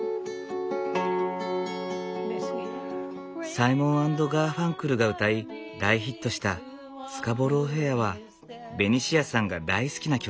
サイモン＆ガーファンクルが歌い大ヒットした「スカボロー・フェア」はベニシアさんが大好きな曲。